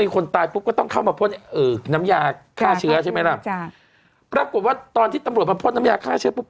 คนตายปุ๊บก็ต้องเข้ามาพ่นน้ำยาฆ่าเชื้อใช่ไหมล่ะปรากฏว่าตอนที่ตำรวจมาพ่นน้ำยาฆ่าเชื้อปุ๊